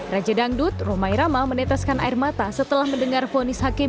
raja dangdut roma irama meneteskan air mata setelah mendengar vonis hakim